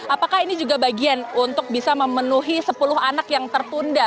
apakah ini juga bagian untuk bisa memenuhi sepuluh anak yang tertunda